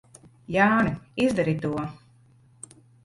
Jāni, izdari to!